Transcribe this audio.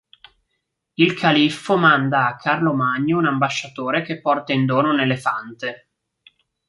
Il califfo manda a Carlo Magno un ambasciatore che porta in dono un elefante.